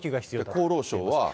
厚労省は？